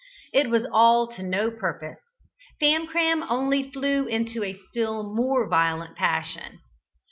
It was all to no purpose. Famcram only flew into a still more violent passion.